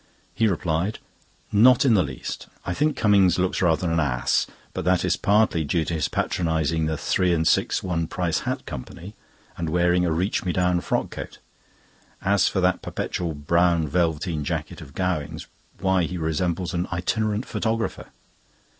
He replied: "Not in the least. I think Cummings looks rather an ass, but that is partly due to his patronising 'the three and six one price hat company,' and wearing a reach me down frock coat. As for that perpetual brown velveteen jacket of Gowing's—why, he resembles an itinerant photographer."